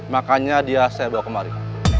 makanya dia saya bawa kemari